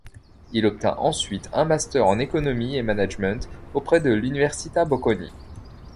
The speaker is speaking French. Il obtint ensuite un Master en Économie et management auprès de l'Università Bocconi.